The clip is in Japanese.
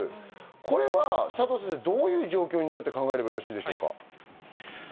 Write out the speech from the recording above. これは佐藤先生、どういう状況になると考えればいいですか？